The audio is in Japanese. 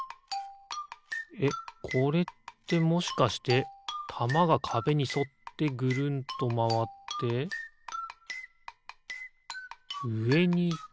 えっこれってもしかしてたまがかべにそってぐるんとまわってうえにいく？